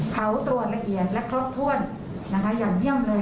เขาตรวจละเอียดและครบถ้วนนะคะอย่างเยี่ยมเลย